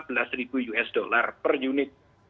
jadi itu lima belas usd per unit